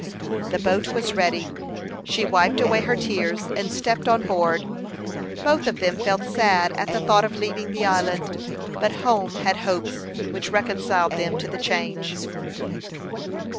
The boat was ready; she wiped away her tears, and stepped on board. Both of them felt sad at the thought of leaving the island; but home had hopes which reconciled them to the change.